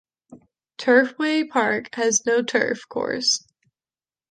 Turfway Park has no turf course.